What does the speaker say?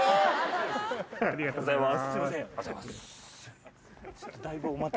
ありがとうございます。